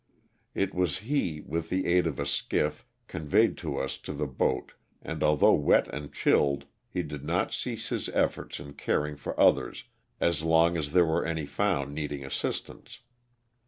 It was he, with the aid of a skiff, conveyed us to the boat and although wet and chilled he did not cease his efforts in caring for others as long as there were any found needing assistance.